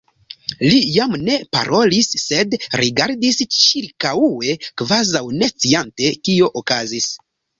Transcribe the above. Li jam ne parolis, sed rigardis ĉirkaŭe kvazaŭ ne sciante kio okazis.